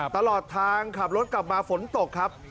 ตลอดทางขับรถกลับมาฝนตกครับ